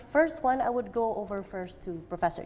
pertama saya akan menerima pertanyaan dari prof j